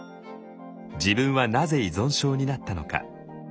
自分はなぜ依存症になったのか。